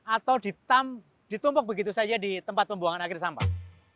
atau ditumpuk begitu saja di tempat pembuangan akhir sampah